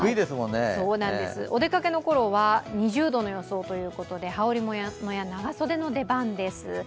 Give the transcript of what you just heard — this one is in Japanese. お出かけの頃は２０度の予想ということで羽織り物や長袖の出番です。